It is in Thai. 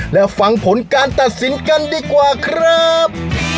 และฟังผลการตัดสินกันดีกว่าครับ